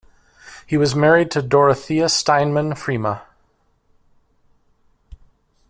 He was married to Dorothea Steinmann Freema.